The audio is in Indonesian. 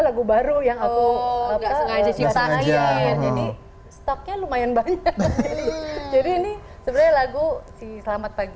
lagu baru yang aku sengaja ciptain jadi stoknya lumayan banyak jadi ini sebenarnya lagu si selamat pagi